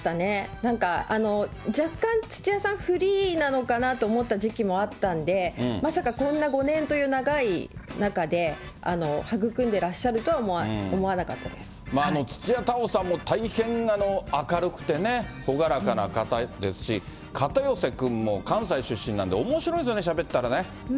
なんか、若干、土屋さん、フリーなのかなと思った時期もあったんで、まさかこんな５年という長い中で、育んでらっしゃるとは思わなかったまあ、土屋太鳳さんも大変明るくてね、朗らかな方ですし、片寄君も、関西出身なんでおもしろいんですよね、しゃべったらね。